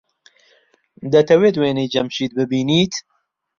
دەتەوێت وێنەی جەمشید ببینیت؟